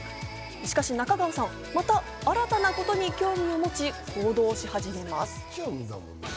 しかし中川さん、また新たなことに興味を持ち、行動し始めます。